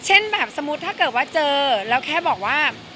เช่นแบบสมมุติถ้าเกิดว่าเจอแล้วแค่บอกว่า